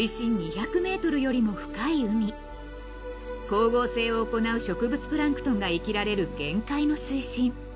［光合成を行う植物プランクトンが生きられる限界の水深］